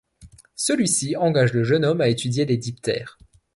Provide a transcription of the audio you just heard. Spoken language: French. Celui-ci engage le jeune homme à étudier les diptères.